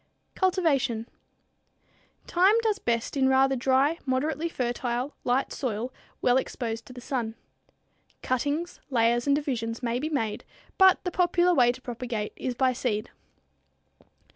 Cultivation. Thyme does best in a rather dry, moderately fertile, light soil well exposed to the sun. Cuttings, layers and divisions may be made, but the popular way to propagate is by seed.